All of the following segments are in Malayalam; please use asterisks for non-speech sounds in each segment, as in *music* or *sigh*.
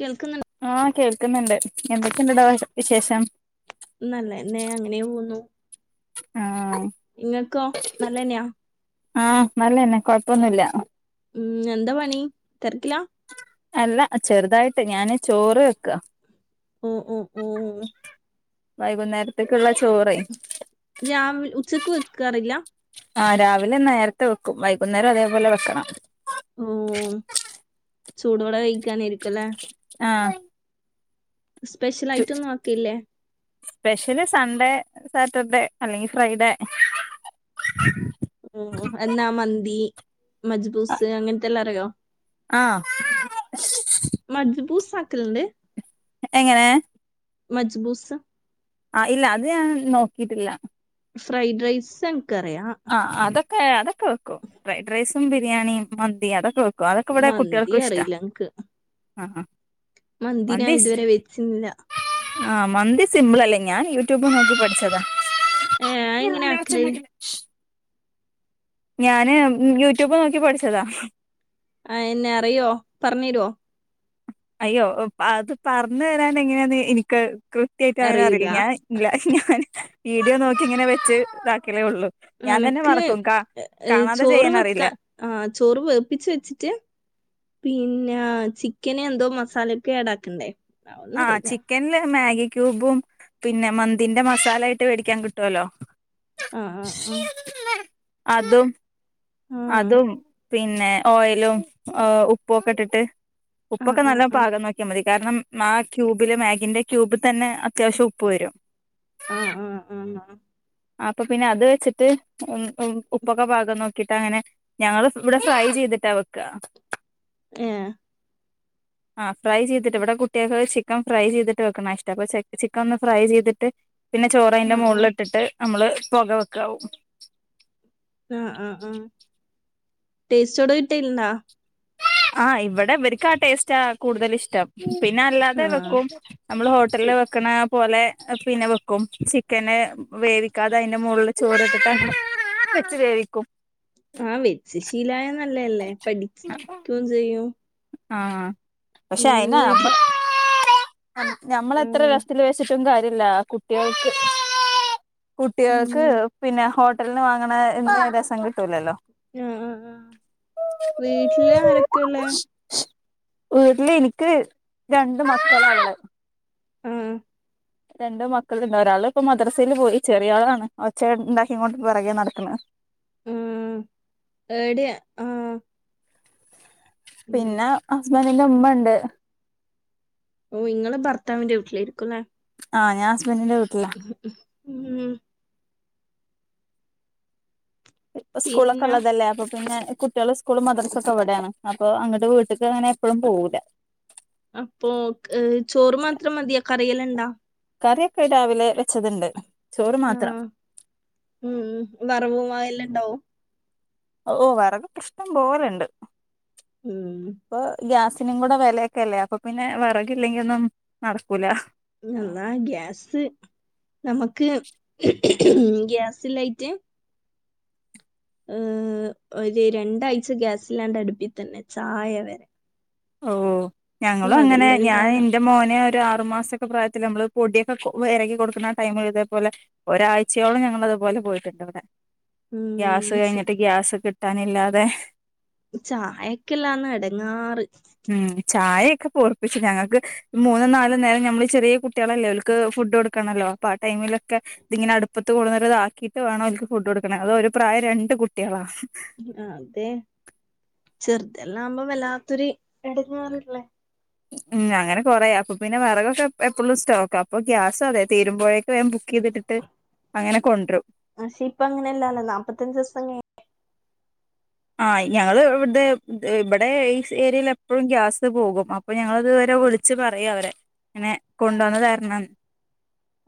കേൾക്കുന്നുണ്ട് ആഹ് കേൾക്കുന്നുണ്ട് എന്തൊക്കെയുണ്ട് ടാ വിശേഷം നല്ലന്നെ ആഹ് നിങ്ങക്കോ നല്ലതന്നെയാ ആഹ് നല്ലന്നെ കൊഴപ്പൊന്നുല്ല ഉം എന്താ പണി തിരക്കിലാ അല്ല ചെറുതായിട്ട് ഞാന് ചോറ് വെക്കുവാ ഓ ഓ ഓ വൈകുന്നേരത്തേക്കുള്ള ചോറ് രാവ് ഉച്ചക്ക് വെക്കാറില്ല ആ രാവിലെ നേരത്തെ വെക്കും വൈകുന്നേരം അതേപോലെ വെക്കണം ഓ ചൂടോടെ കഴിക്കാനായിരിക്കും ക്ക്ലേ ആഹ് സ്പെഷ്യൽ ആയിട്ടൊന്നും ആക്കിയില്ലേ സ്പെഷ്യൽ സൺഡേ സാറ്റർഡേ അല്ലെങ്കിൽ ഫ്രൈഡേ ഉം എന്നാ മന്തി മജ്ബൂസ് അങ്ങനത്തെ എല്ലാം അറിയോ ആ േ *unintelligible* എങ്ങനെ മജ്ബൂസാ ആ ഇല്ല അത് ഞാൻ നോക്കിട്ടില്ല ഫ്രൈഡ് റൈസാണ് കറിയാം കേയതെ വെക്കും ഫ്രൈഡ് റൈസ് ൻ ബിരിയാണിയും മന്തി അതൊക്കെ വെക്കും അതൊക്കെ ഇവിടെ മന്തി കുട്ടികൾക്കും ഇഷ്ടാ അറിയില്ല എനിക്ക് ആ ആ മന്തി ഞാ ഇതുവരെ വെച്ചില്ല ആഹ് മന്തി സിമ്പിൾ അല്ലേ ഞാൻ യൂട്യൂബ് നോക്കി പഠിച്ചതാ ഏ അയെങ്ങനാ ആക്കല് ഞാന് യൂട്യൂബ് നോക്കി പഠിച്ചതാ ആ എന്നെ അറിയോ പറഞ്ഞ് തരുവോ അയ്യോ അത് പറഞ്ഞ് തരാൻ എങ്ങനാന്ന് എനിക്ക് കൃത്യായിട്ട് അവനെ അറിയൂല അറിയില്ല ഞാൻ ഇല്ലെ വീഡിയോ നോക്കി ഇങ്ങനെ വെച്ച്താക്കിലേ ഉള്ളൂ ഞാൻ തന്നെ എനക്ക് മറക്കും കാ ഏ കാണാതെ ചോറ് ചെയ്യാൻ അറിയില്ല വെക്കാ ആ ചോറ് വേപ്പിച്ച വെച്ചിട്ട് പിന്നെ ചിക്കന് എന്തോ മസാലൊക്കെ ആഡ ആാക്കണ്ടേ ആഹ ചിക്കന്ല് മാഗി ക്യൂബും പിന്നെ മന്തിന്റെ മസാലയിട്ട് മേടിക്കാൻ കിട്ടുവല്ലോ ആഹ് ആഹ ആഹ അതും അതും പിന്നെ ഓയിലും ഉപ്പുംൊക്കെ ഇട്ടിട്ട് ആഹ് ഉപ്പൊക്കെ നല്ല ആഹ് പാകം നോക്കിയാൽ മതി കാരണം ആ ക്യൂബില് ിന്റെ ക്യൂബ് തന്നെ അത്യാവശ്യം ഉപ്പ് വരും ആഹ ആഹ ആഹ് ആഹ അപ്പൊ പിന്നെ അത് വെച്ചിട്ട് ഉ ഉപ്പൊക്കെ പാകം നോക്കി ിട്ട അങ്ങനെ ഞങ്ങള് ഇവിടെ ഫ്രൈ ചെയ്തിട്ടാ വെക്ക ആഏ ആ ഫ്രൈ ചെയ്തിട്ട് ഇവിടെ കുട്ടികൾ ചിക്കൻ ഫ്രൈ ചെയ്തിട്ട് വെക്കണ ഇഷ്ടം അപ്പൊ ചിക്കൻ ഒന്ന് ഫ്രൈ ചെയ്തിട്ട് പിന്നെ ചോറ അന്റെ ആഹ് മുകളിൽ ആഹ് ഇട്ടിട്ട് നമ്മള് പുക വെക്കാവും ആ ആഹ ആഹ് ടേസ്റ്റോട കിട്ടലണ്ട ആഹ് ഇവിടെ ഇവർക്കും ആ ടേസ്റ്റാ കൂടുതൽ ഇഷ്ടം പിന്നെ അല്ലാതെ ആഹ് വെക്കും നമ്മള് ഹോട്ടലില് വെക്കണ പോലെ പിന്നെ വെക്കും ചിക്കന വേവിക്കാതെ അതിന്റെ മുകളില് ചോറ ഇട്ടിട്ട് വെച്ച് വേവിക്കും ആഹ വെച്ച ശീല അല്ലല്ലേ പഠിക്കയും ചെയ്യും ആഹ അക്ഷെ ആന ഉം വീട്ടിൽ ഞമ്മള എത്ര ആഹ് രൽ വച്ച ഒും കാര്യല്ല കുട്ടികൾക്ക് കുട്ടികൾക്ക് ഉം പിന്നെോ ഹോട്ടലിന് വാങ്ങണൻ എും രസം കിട്ടുമില്ലല്ലോ ആഹ വീട്ടില് ആരൊക്കെയ ഉള്ളേ വീട്ടില് എനിക്ക് രണ്ട് മസള ഉള്ള ഉഹ രണ്ട് മക്കള്ണ്ട് ഒരാള് ഇപ്പോ മദ്രസേല് പോയി ചെറിയ ആളാണ് ഒച്ച ഇണ്ടാക്കിങ്ങൊണ്ട് പിറകെ നടക്ക്ണ് ആ ഏടെ ആ പിന്നെ ഹസ്ബൻ ൻഡിൻ്റെ ഉമ്മണ്ട് ഓ ഇങ്ങള് ഭർത്താവിന്റെ വീട്ടിലായിരിക്കും ലേ ആ ഞാൻ സ് ബൻ്റിന്റെ വീട്ടിലാ ഉം ഇപ്പൊ സ്കൂളൊക്കെ പിന്നെ ഉള്ളതല്ലേ അപ്പ പിന്നെ കുട്ട്യോള് സ്കൂളും മദ്രസൊക്കെ ഇവിടേണ് അപ്പൊ അങ്ങട്ട് വീട്ട്ക്ക് അങ്ങനെ എപ്പഴും പോവൂല അപ്പൊ അ് ചോറ് മാത്രം മതിയാ കറിയെല്ലാണ്ടാ കറിയൊക്കെ രാവിലെ വെച്ചത്ണ്ട് ആഹ് ഉം വറവും ആ എല്ലാം ഇണ്ടോ ഓ വറകൊക്കെഷ്ടം പോലണ്ട് ഉം ഇപ്പൊ ഗ്യാസ് നും കൂടെ വെലയൊക്കെ അല്ലേ അപ്പൊ പിന്നെ വെറകില്ലെങ്കി ഒന്നും നടക്കൂല അള്ളാ ഗ്യാസ് നമുക്ക് ഗ്യാസില്ലായ്റ്റ് അ് ഒരു രണ്ടാഴ്ച ഗ്യാസില്ലാണ്ട അടുപ്പി തന്നെ ചായ വരെ ഓ ഓ ഞങ്ങളും അങ്ങനെ അതെല്ലാം ഒരു ഞാൻ കാലം ഇന്റെ മോനെ ഒരാറു മാസൊക്കെ പ്രായത്തില് നമ്മള് പൊടിയൊക്കെ കൊ വെരകി കൊടുക്ക്ണ ടൈമ് ഇതേ പോലെ ഒരാഴ്ചയോളം ഞങ്ങള് ഇതുപോലെ പോയിട്ടുണ്ട് ഇവിടെ ഗ്യാസ് ഉം ച കഴിഞ്ഞിട്ട് ഗ്യാസ് കിട് കിട്ടാനില്ലാതെ ചായക്കല്ലാന്ന് എടങ്ങാറ് ചായെക്കെ പൊർപ്പിച്ചു ഞങ്ങക്ക് മൂന്നും നാലും നേരം നമ്മള് ചെറിയ കുട്ടികളല്ലേ ഓൽക്ക് ഫുഡ് കൊടുക്കണല്ലോ അപ്പൊ ആ ടൈമിലൊക്കെ ഇതിങ്ങനെ അടുപ്പത്ത് കൊടുന്നിട്ട് ഇതാക്കീട്ട് വാണം ഓൽക്ക് ഫുഡ് കൊടുക്കണെ അതോ ഒരു പ്രായം രണ്ട് കുട്ടികളാ അതെ ചെറുതെല്ലാം ആവുമ്പം വല്ലാത്തൊരു എടങ്ങേറല്ലേ ഉം അങ്ങനെ കൊറേ അപ്പൊ പിന്നെ വെറകൊക്കെ എപ്പളും സ്റ്റോക്കാ അപ്പൊ ഗ്യാസും അതെ തീരുമ്പോഴേക്ക് വേം ബുക്ക് ചെയ്തിട്ടിട്ട് അങ്ങനെ കൊണ്ട്രും പക്ഷെ ഇപ്പ അങ്ങനല്ലാല്ലോ നാപത്തഞ്ച് ദിവസം ക ആ ഞങ്ങള് ഇവിടെ ഇവിടെ ഈ ഏരിയൽ എപ്പോഴും ഗ്യാസ് പോകും അപ്പൊ ഞങ്ങളതുവരെ വിളിച്ച് പറയും അവരെ ഇങ്ങനെ കൊണ്ട് വന്ന് തരണംന്ന്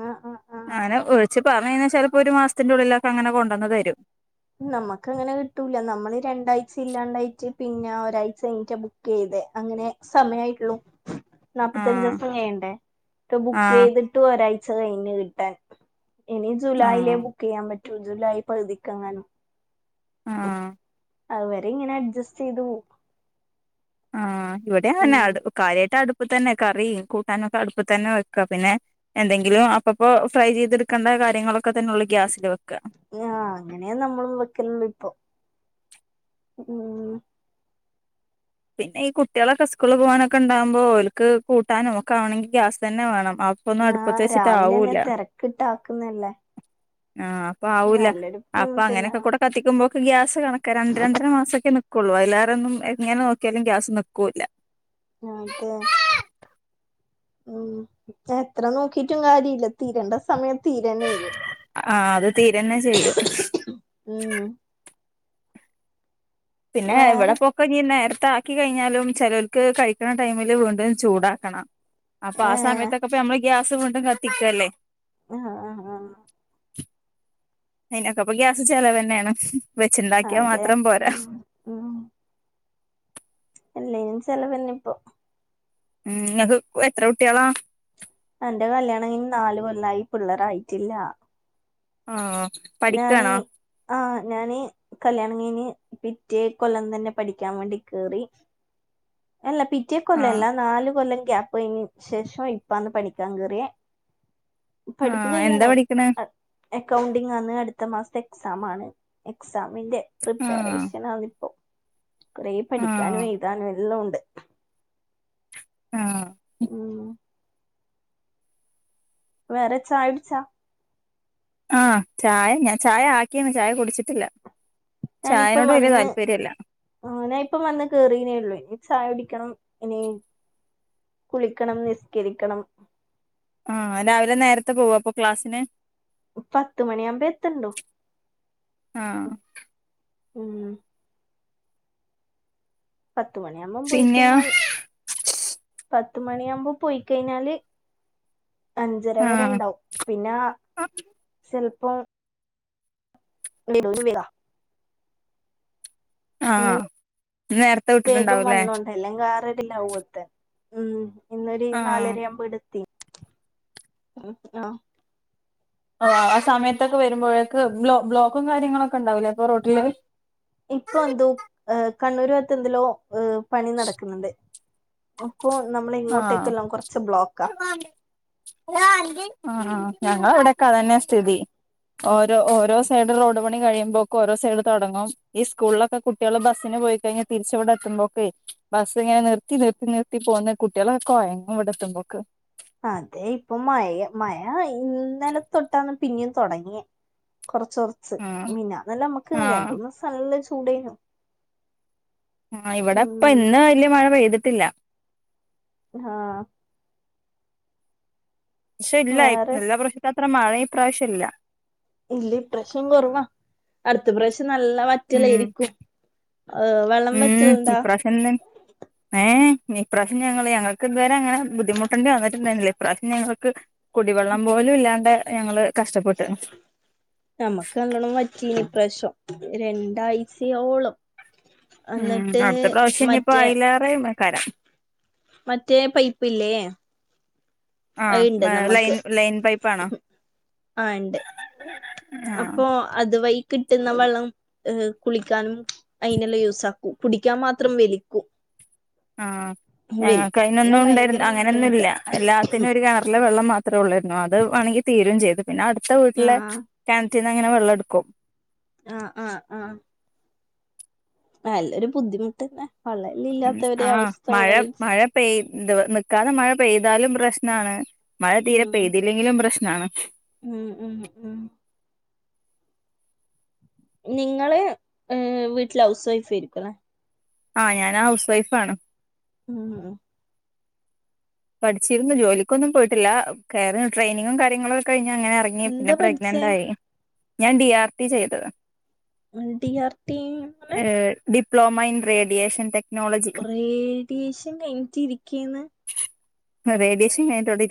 ആഹ് ആഹ് ആഹ് ആനെ ച്ച് പറഞ്ഞു കഴിഞ്ഞാ ചെലപ്പോ ഒരു മാസത്തിന്റെ ഉള്ളിലൊക്കെ അങ്ങനെ കൊണ്ടന്ന് തരും നമ്മക്ക് അങ്ങനെ കിട്ടൂല നമ്മള് രണ്ടാഴ്ച ഇല്ലാണ്ടായിട്ട് പിന്നെ ഒരാഴ്ച കഴിഞ്ഞിട്ട ബുക്ക് ചെയ്തെ അങ്ങനെ സമയായിട്ടുള്ളു ആ നാപ്പത്തഞ്ചൂസം കയ്യണ്ടേ ഇത് ആ ബുക്ക് ചെയ്തിട്ട് ഒരാഴ് ച്ച കയ്ന് കിട്ടാൻ ഇനി ആഹ് ജൂലായിലെ ബുക്ക് ചിയ്യാൻ പ ജൂ ജൂലായി പകുതിക്കങ്ങാനും ആ അവ അവരെ ഇങ്ങനെ അഡ്ജസ്റ്റ് ചെയ്തു പോ ആഹ ഇവിടെ അങ്ങെ അടു കാര്യമായിട്ട് അടു അപ്പ തന്നെ കറി കൂട്ടാനൊക്കെ അടുപ്പ് തന്നെ വെക്കുക പിന്നെ എന്തെങ്കിലും അപ്പപ്പോ ഫ്രൈ ചെയ്തെടുക്കേണ്ട കാര്യങ്ങളൊക്കെ തന്നെ ഉള്ളൂ ഗ്യാസിൽ വെക്കുക ആ അങ്ങനെയ നമ്മൾ വെക്കലല്ലോ ഇപ്പൊ ഉ പിന്നെ ഈ കുട്ടികളെ കസുക്കളള് പോകാനൊക്കെ ഉണ്ടാകുമ്പോൾ ഓലക്ക് കൂട്ടാനും ഒക്കെ ആണെങ്കിൽ ഗ്യാസ് തന്നെ വേണം അപ്പൊന്നും അടുപ്പത്ത് ആഹ് വെച്ചിട്ട് രാവിലെന്നെ ആവൂല്ല തിരക്കിട്ട ആാക്കുന്നല്ലേ ആഹ് അപ്പൊ ആവൂില്ല അപ്പൊ അങ്ങനെയൊക്കെ കൂടെ കത്തിക്കുമ്പോ ഗ്യാസ് കണക്ക രണ്ട രണ്ടര മാസൊക്കെ കൊള്ളുവല്ലാരൊന്നും എങ്ങനെ നോ ഒരിക്കലും ഗ്യാസ് നിൽക്കൂല്ല ഉ എത്ര നോക്കിട്ടും കാര്യ ഇല്ല തീരേണ്ട സമയത്ത് തീരനും ആഹ് അത് തീരന്നെ ചെയ്യും ഉ പിന്നെ ഇവിടെ വേറെ പോൊക്കങ്ങന്ന നേര ആാക്കി കഴിഞ്ഞാലും ചിലവർക്ക് കഴിക്കണ ടൈമില് വീണ്ടുംും ചൂടാക്കണം അപ്പൊ ആസാ ഏഹ് തക്കപ്പമ്മള ഗ്യാസ് കൊണ്ടും കത്തിക്കല്ലേ ആഹ ആഹ് ആഹ് *unintelligible* അയിനൊക്ക അപ്പൊ ഗ്യാസ ചല തന്നെയാണ് വെച്ചുണ്ടാക്കിയാ അതെ മാത്രം പോരാ ഉം അല്ലും ചിലവന്നെ ഇപ്പൊ ഉം നിക്ക് എത്ര കുട്ടികളാ എന്റെ കല്യാണംങ്ങന് നാല് കൊൊല്ലായി പിള്ളർായിട്ടില്ല ആഹ പഠിക്കണാ ആഹ് ഞാന് കല്യാണങ്ങിന് പിറ്റേ കൊല്ലം തന്നെ പഠിക്കാൻ വേണ്ടി കേറി അല്ല പിറ്റേ കൊല്ല ആഹ് അല്ല നാലല് കൊല്ലം ഗഞാപയിനി ശേഷമായി ഇപ്പന്ന് പണിക്കാ കറ ആഹ എന്താ പഠിക്കണ അക്കൗണ്ടിംഗ ആന്ന് അടുത്ത മാസത്തെ എക്സാം ആണ് എക്സാമിന്റെ ആഹ് പ്രിപ്പറേഷൻ ആതി കുറെേ ആഹ് പഠിക്കാനും എഴുതാനും എല്ലാം ഉണ്ട് ആഹ് ഉ വേറെച്ച ആടിച്ചാ ആഹ ചായ ഞൻ ചായ ആക്കിയന്ന് ചായ കുടിച്ചിട്ടില്ല ഞാനിപ്പ ചായനോട് വല്യ വന്ന് താല്പര്യല്ല ആ ഞാനിപ്പ വന്ന് കേറീനേള്ളൂനി ണം ഇനി കുളിക്കണം നിസ്കരിക്കണം ആഹ രാവിലെ നേരത്തെ പോവാു അപ്പൊ ക്ലാസ്സിന് പത്തുമണിാവുമ്പോ എത്തണ്ടോ ആഹ് ഉ പത്തുമണിയാകുമ്പം പിന്നെയോ പോയിക്കഴിഞ്ഞാൽ പത്ത മണിയാവുമ്പോ പോയി കഴിഞ്ഞാല് അഞ്ചര ആഹ് വരെണ്ടാവും പിന്നെ വ നിരധരാ ആഹ ഇ നേരത്തെ വിട്ടിട്ടുണ്ടാവൂല്ലേ ല്ല ത്ത ഉം ഇന്നൊരു ആഹ് നാലരയാവുമ്പോ എടുത്തി ഉ ആഹ ആ ആ സമയത്തൊക്കെ വരുമ്പോഴേക്കക്ക് ബ്ലോക്കും കാര്യങ്ങളൊക്കെ ഉണ്ടാവൂല ഇപ്പൊ റോട്ടില് ഇപ്പൊ എന്തോ കണ്ണൂര് വത്ത് എതിലോ ഏഹ പണി നടക്കുന്നുണ്ട് ആ് ആ ഉം ഞവി ക തന്നെ സ്ഥിതി ഓരോ ഓരോ സൈഡ് റോഡ് പണി കഴിയുമ്പോക്ക ഓോ സൈഡ് തുടങ്ങും ഈ സ്കൂളിലൊക്കെ കുട്ടികൾ ബസ്സിന് പോയി കഴിഞ്ഞഞ് തിരിച്ചവിടെ എത്തുമ്പോക്കെ ബസ് ഇങ്ങനെ നിർത്തി നിർത്തി നിർത്തി പോകുന്ന കുട്ടികളക്കയങ്ങങ് ഇവിടെ എത്തുമ്പോക്ക് അതെ ഇപ്പൊ മ മഴ നില തൊട്ടാന്ന് പിന്നെ തുടങ്ങിയ കുറച്ച കുറച്ച് ആഹ് മന്നെ നല്ല ആഹ് നമ്മക്ക്ങ്ങനെണ്ടന്ന് നല്ല ചടന ആ ഇവിടെപ്പ ഇന്ന് വല്യ മഴ പെയ്തിട്ടില്ല ആഹ പക്ഷെ ഇല്ല വേറെ നല്ല പ്രശത്ത മാത്രമാണ് ഈ പ്രാവശ്യമില്ല ഇല്ല പ്രശ്നം കുറവാ അടുത്ത പ്രശ്നം നല്ല ഉം വറ്റലായിരിക്കും ഏർ വെള്ളം ഉം വറ്റലുണ്ടാ ഇഈ്രാവശ്യ ഞങ്ങ ങ്ങൾക്ക് ഇതുവരെ അങ്ങനെ ബുദ്ധിമുട്ടേണ്ടി വന്നിട്ടുണ്ടായിുന്നില്ല ഇപാവശ്യം ഞങ്ങൾ കുടിവെള്ളം പോലും ഇല്ലാണ്ട് ഞങ്ങള് കഷ്ടപ്പെട്ടു നമക്ക് നല്ലോണം പറ്റീനി പ്രശ്നം രണ്ടാഴ്ചയോളം ഉം എന്നിട്ട് അവിടു പ്രാവശ്യം ഇനിയിപ്പോ മറ്റേ ആയില്ലാറെ മ കരം മറ്റേ പൈപ്പ് ഇല്ലേ ആ ലൈൻ ലൈൻ പൈപ്പാണോ ആ ഇണ്ട് ആഹ അപ്പൊ അതുവഴി കിട്ടുന്ന വെള്ളം ഏ കുളിക്കാനും അതിനെല്ലാം യൂസ ആാക്കും കുടിക്കാൻ മാത്രം വലിക്കൂ ആ ഞങ്ങൾക്ക് അതിനൊന്നും ഉണ്ടായിരുന്നു ഭയങ്കര അങ്ങനെൊന്നും ഇല്ല ബുദ്ധിമുട്ട് എല്ലാത്തിനും ഒരു കിറിലെ വെള്ളം മാത്രമേ ഉള്ളായിരുന്നു അത് വേണമെങ്കി തീരയും ചെയ്തു പിന്നെ അടുത്ത വീട്ടിലെ ആഹ് പറ്റന്ന് അങ്ങനെ വെള്ളം എടുക്കും ആഹ ആഹ് ആഹ നല്ലരു ബുദ്ധിമുട്ട്ന്നെ വള്ളല്ല ഇല്ലാത്തവരെ ആഹ അവസ്ഥ മഴ ആലോചിച്ച് മഴ പെയ്തു കാരണം മഴ പെയ്താലും പ്രശ്നമാണ് മഴ തീരെ ഉം പെയ്തില്ലെില പ്രശ്നം നാണച്ച ഉം ഉം ഉ നിങ്ങള് വീട്ടിൽ ഹൗസ് വൈഫ് ആയിരിക്കുംല്ലെ ആഹ ഞാൻ ഹൗസ് വൈഫ ആാണ് ഉം പഠിച്ചിരുന്നു ജോലിക്കൊന്നും പോയിട്ടില്ല കയറി ട്രെയിനിങ്ങും കാര്യങ്ങളൊക്കെ കഴിഞ്ഞ അങ്ങനെ ഇറങ്ങി എന്താ പിന്നെ പഠിച്ചേ പ്രഗ്നന്റ് ആായി ഞാൻ ഡി ആർ ടി ചെയ്തത് ഡി ആർ ടി മെ ഡ്ലോമ ഇൻ റേിയേഷൻടെ കുറ ഏഡിയേഷൻ കഴിഞ്ഞിട്ട ഇരിക്കേന്ന് േഡിയേഷൻ തൊട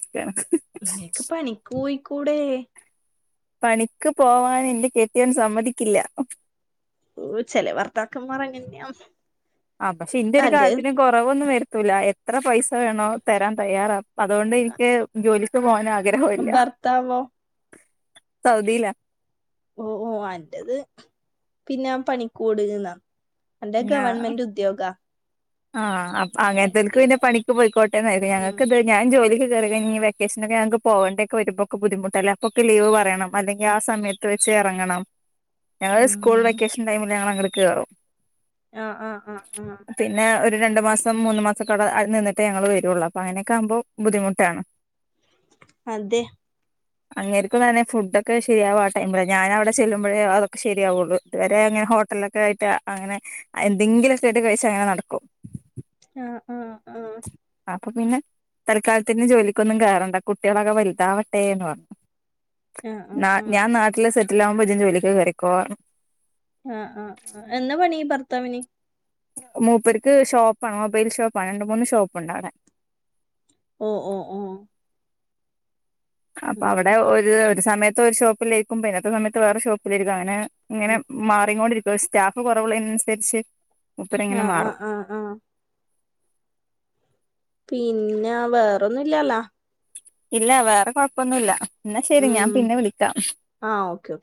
ന്നേക്ക് പണിക്കു കൂടെേ പണിക്ക് പോവാൻ എൻന്റെ കെട്ടിയൻ സമ്മതിക്കില്ല ചല ഭർത്താക്കന് പററങ്ങന്നെയ ആ പക്ഷെ ഇന്റെ ഒരു കാര്യത്തിന് കുറവൊന്നും വരുത്തൂല എ എത്ര പൈ വേണോ തരാൻ തയ്യാറാ അതുകൊണ്ട് എനിക്ക് ജോലി ക്ക് പോന ഭർത്താവോ സൗദില്ല ഓഓ അൻ്റത് പിന്നെ പണിക്കൂട് നിന്ന അന്റെ ഗവൺമെന്റ് ഉദ്യോഗാ ആ അപ്പോ അങ്ങനത്തോക്ക് പിന്നെ പണിക്ക് പോയിക്കോട്ടെ *unintelligible* ഉം ഞങ്ങൾക്ക് ഇത് ഞാൻ ജോലി *unintelligible* ഇനി വെക്കേഷന് ഒക്കെ ഞക്ക് പോകണ്ട ഒക്കെ വരുമ്പോക്കെ ബുദ്ധിമുട്ടല്ല അപ്പൊ ഒക്കെ ലീവ് പറണം അല്ലെങ്കിൽ ആ സമയത്ത് വെച്ച് ഇറങ്ങണം ഞങ്ങള് സ്കൂൾ ഉം വെക്കേഷൻ ടൈമിൽ ഞങൾ അങ്ങട് കേറും ആ ആഹ് ആഹ് ആഹ് പിന്നെ ഒരു രണ്ടു മാസം മൂന്ന് മാസം ഒക്കെ അട നിന്നിട്ടേ ഞങ്ങൾ വരുള്ളൂ അപ്പൊ അങ്ങനൊക്കെ ആകുമ്പം ബുദ്ധിമുട്ടാണ് അതെ അങ്ങേരിക്കും തന്നെ ഫുഡ് ഒക്കെ ശരിയാവ ആ ടൈമിലാ ഞാനവിടെ ചെല്ലുമ്പഴേ അതൊക്കെ ശരിയാവുള്ളൂ ഇതുവരെ അങ്ങനെ ഹോട്ടിലൊക്കെ ആയിട്ട് അങ്ങനെ എന്തെങ്കിലൊക്കെ ആയിട്ട് കഴിച്ച് അങ്ങനെ നട അ ആ ആ ആ ആ അപ്പൊ പിന്നെ തൽക്കാലത്തിന് ജോലിക്കൊന്നും കേയറണ്ട കുട്ടികളൊക്കെ വലുതാവട്ടെ എന്ന് പറഞ്ഞു ആ ആ ന ഞാൻ നാട്ടിലെ സെ റ്റിലാവുമ്പോ ഇജു ജോലിക്ക് കേറിക്കോ പറഞ്ഞു ആ ആഹ് ആ എന്നാ പണി ഭർത്താവിന് മൂപ്പേർക്ക് ഷോപ്പാണ് മൊബൈൽ ഷോപ്പണ് രണ്ട് മൂന്ന് ഷോപ്പുണ്ട് അവിടെ ഓ ഓ ഓ അപ്പൊ ഉം അവിടെ ഒരു ഒരു സമയത്ത് ഒരു ഷോപ്പേക്കുമ്പോ പിന്നത്തെ സമയത്ത് വേറെ ഷോപ്പിലരിക്കും അങ്ങനെ ഇങ്ങനെ ഉം മാറികൊണ്ടിരി ഇപ്പൊ സ്റ്റാഫ് കൊറവുള്ളനനുസരിച്ച് ആ ആ ആഹ് ആ പിന്നെ വേറൊന്നുംല്ലല്ലാ ഇല്ല വേറെ കൊഴപ്പൊന്നുല്ല എന്നാ ശെരി ഉം ഞാൻ പിന്നെ വിളിക്കാം ആഹ് ഓക്കെ ഓക്കെ